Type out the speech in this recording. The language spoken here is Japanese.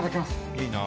いいなぁ。